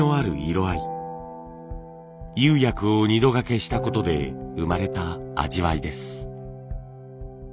釉薬を２度がけしたことで生まれた味わいです。